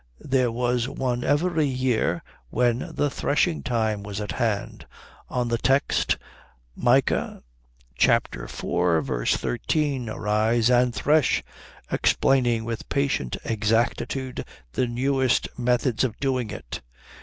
There was one every year when the threshing time was at hand on the text Micah iv. 13, Arise and thresh, explaining with patient exactitude the newest methods of doing it.